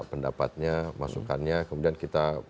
pendapatnya masukannya kemudian kita